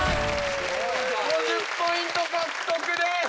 ５０ポイント獲得です！